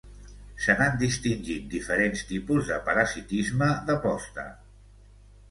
Se n'han distingit diferents tipus de parasitisme de posta.